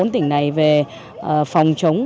bốn tỉnh này về phòng chống